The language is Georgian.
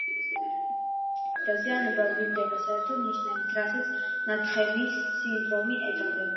ნათხემის ყოველგვარი დაზიანება ვლინდება საერთო ნიშნებით, რასაც ნათხემის სინდრომი ეწოდება.